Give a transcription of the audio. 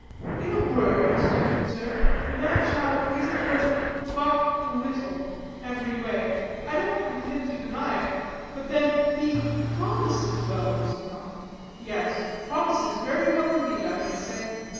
In a word, respected sir, the man child is at present but little, every way; I don't pretend to deny it; but, then, he promises well, does he not? Yes, promises very well indeed, I may say.